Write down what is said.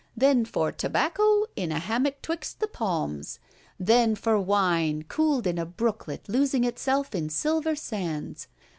Then for tobacco in a hammock 'twixt the palms! Then for wine cooled in a brooklet losing itself in silver sands!